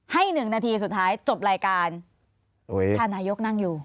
หนึ่งนาทีสุดท้ายจบรายการท่านนายกนั่งอยู่